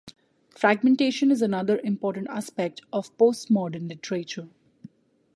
Fragmentation is another important aspect of postmodern literature.